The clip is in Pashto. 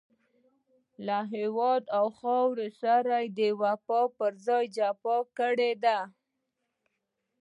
له هېواد او خاورې سره يې د وفا پر ځای جفا کړې ده.